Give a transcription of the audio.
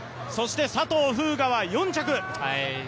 佐藤風雅は４着。